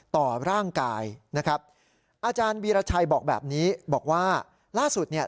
ต่อร่างกายนะครับอาจารย์วีรชัยบอกแบบนี้บอกว่าล่าสุดเนี่ย